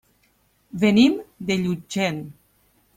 Venim de Llutxent.